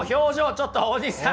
ちょっと大西さん。